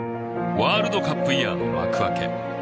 ◆ワールドカップイヤーの幕開け